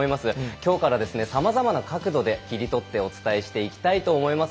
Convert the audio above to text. きょうからさまざまな角度で切り取ってお伝えしていきたいと思います。